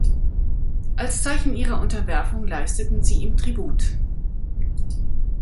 Als Zeichen ihrer Unterwerfung leisteten sie ihm Tribut.